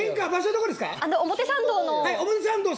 表参道の。